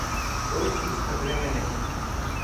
کوئی چیز خطرے میں نہیں۔